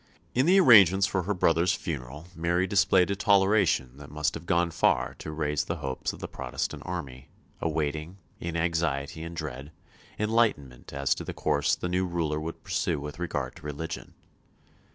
In the arrangements for her brother's funeral Mary displayed a toleration that must have gone far to raise the hopes of the Protestant party, awaiting, in anxiety and dread, enlightenment as to the course the new ruler would pursue with regard to religion.